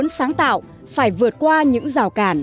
là tại vì